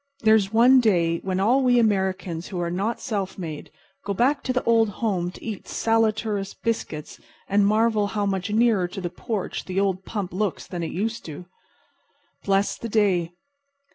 There is one day when all we Americans who are not self made go back to the old home to eat saleratus biscuits and marvel how much nearer to the porch the old pump looks than it used to. Bless the day.